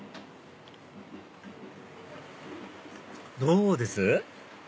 どうです？